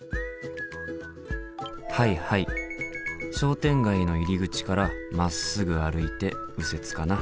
はいはい商店街の入り口からまっすぐ歩いて右折かな。